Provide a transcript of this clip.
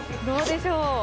どうでしょう。